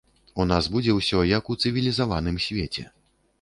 У нас будзе ўсё, як у цывілізаваным свеце.